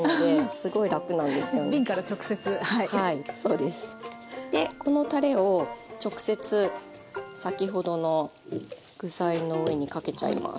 でこのたれを直接先ほどの具材の上にかけちゃいます。